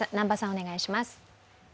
お願いします。